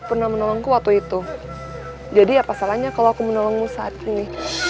kau pernah menolongku waktu itu jadi apa salahnya kalau aku menolongmu saat ini